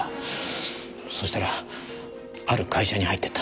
そうしたらある会社に入っていった。